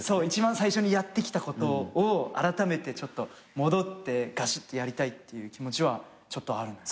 一番最初にやってきたことをあらためて戻ってガシッとやりたいっていう気持ちはちょっとある。